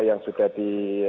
yang sudah di